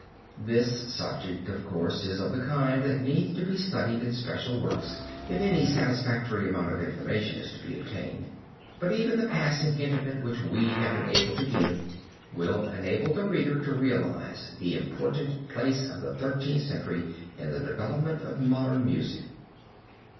This subject, of course, is of the kind that needs to be studied in special works if any satisfactory amount of information is to be obtained, but even the passing hint of it which we have been able to give will enable the reader to realize the important place of the Thirteenth Century in the development of modern music.